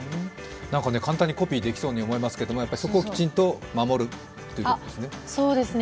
簡単にコピーできそうに思えますけれども、そこをきちんと守るということですね？